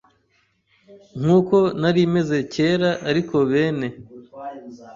nkuko nari meze cyera ariko bene